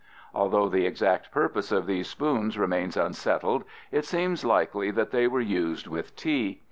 Although the exact purpose of these spoons remains unsettled, it seems likely that they were used with tea.